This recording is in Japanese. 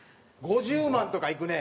５０万とかいくね。